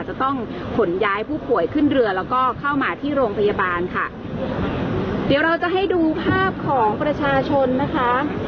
จะต้องขนย้ายผู้ป่วยขึ้นเรือแล้วก็เข้ามาที่โรงพยาบาลค่ะเดี๋ยวเราจะให้ดูภาพของประชาชนนะคะ